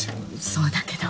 そうだけど。